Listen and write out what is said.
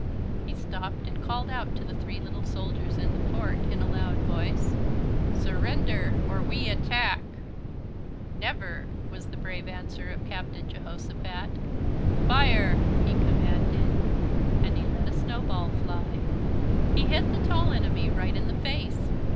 He stopped and called out to the three little soldiers in the fort in a loud voice: "SURRENDER OR WE ATTACK!" "Never!" was the brave answer of Captain Jehosophat. "Fire!" he commanded. Then he let a snowball fly. He hit the Tall Enemy right in the face.